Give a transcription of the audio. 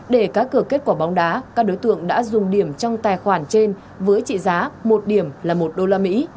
để cá cửa kết quả bóng đá các đối tượng đã dùng điểm trong tài khoản trên với trị giá một điểm là một đô la mỹ